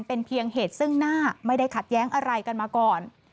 เป็นเพียงเหตุซึ่งหน้าไม่ได้ขัดแย้งอะไรกันมาก่อน